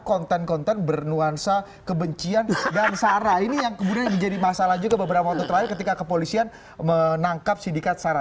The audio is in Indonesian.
konten konten bernuansa kebencian dan sarah ini yang kemudian menjadi masalah juga beberapa waktu terakhir ketika kepolisian menangkap sindikat sarah